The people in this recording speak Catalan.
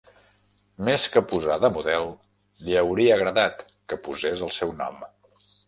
Més que posar de model, li hauria agradat que posés el seu nom.